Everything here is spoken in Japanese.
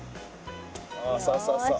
おそうそうそう。